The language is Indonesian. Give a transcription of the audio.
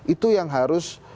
itu yang harus